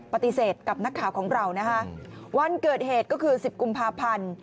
ปฏิเสธกับนักข่าวของเรานะคะวันเกิดเหตุก็คือ๑๐กุมภาพันธ์